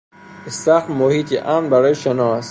استخر محیطی امن برای شنا است